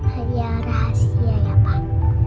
hadiah rahasia ya pak